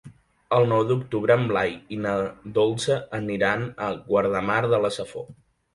El nou d'octubre en Blai i na Dolça aniran a Guardamar de la Safor.